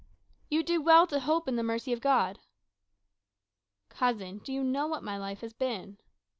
"You do well to hope in the mercy of God." "Cousin, do you know what my life has been?"